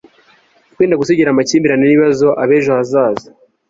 kwirinda gusigira amakimbirane n'ibibazo ab'ejo hazaza